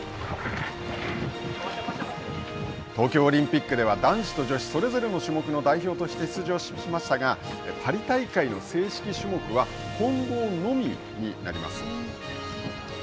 東京オリンピックでは男子と女子、それぞれの種目の代表として出場しましたがパリ大会の正式種目は混合のみになります。